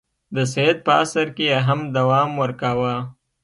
د سید په عصر کې یې هم دوام ورکاوه.